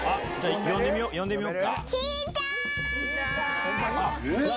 呼んでみよっか。